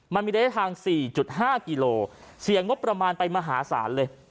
มันมีระยะทาง๔๕กิโลเสียงบประมาณไปมหาศาลเลย